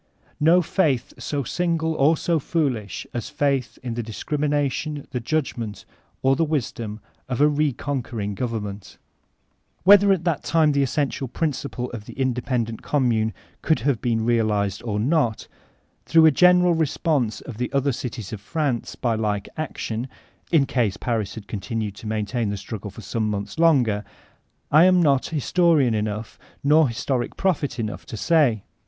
No faith so sinq>le or so foolish as faith in the discrimination, the judgement, or the wisdom of a re conquering government Whether at that time the essential principle of the inde . pendent 0>mmune could have been realized or not, through a general response of the other cities of Prance by like action (in case Paris had continued to maintain the struggle some months longer), I am not historian enough, nor historic prophet enough, to say.